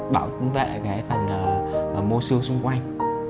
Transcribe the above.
bảo vệ cái phần mô sương xung quanh